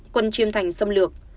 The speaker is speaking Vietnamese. quân chiêm thành xâm lược